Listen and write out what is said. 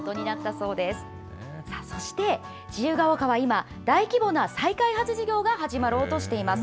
そして自由が丘は今、大規模な再開発事業が始まろうとしています。